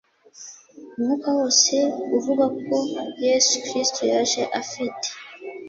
umwuka wose uvuga ko Yesu Kristo yaje afite